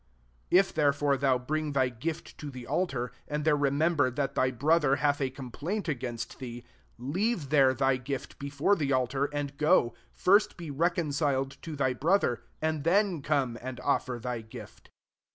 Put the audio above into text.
23 '<if therefore tiiou briAg diy gift to the altar, and there re member that thy brcrther hath a compliant agakut thee ; 24 leave there thy gift before the akar, and go, first be reconciled to thy brother, and then come and of fer thy gift.